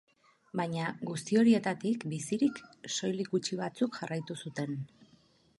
Baina, guzti horietatik, bizirik, soilik gutxi batzuk jarraitu zuten.